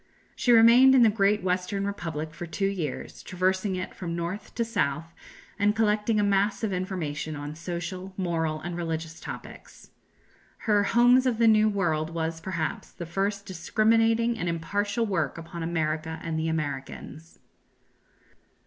She remained in the great Western Republic for two years, traversing it from north to south, and collecting a mass of information on social, moral, and religious topics. Her "Homes of the New World" was, perhaps, the first discriminating and impartial work upon America and the Americans.